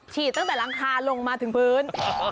ตั้งแต่หลังคาลงมาถึงพื้น